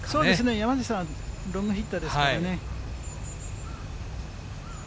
山路さん、ロングヒッターですからね。